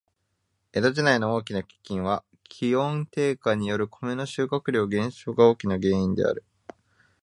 江戸時代の大きな飢饉は、気温低下によるコメの収穫量減少が大きな原因である。